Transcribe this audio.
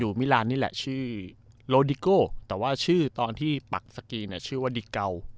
มิลานนี่แหละชื่อโลดิโก้แต่ว่าชื่อตอนที่ปักสกีเนี่ยชื่อว่าดิเกา